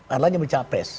erlangga menjadi capres